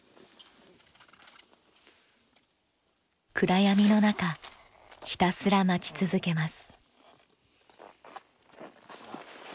暗闇の中ひたすら待ち続けます。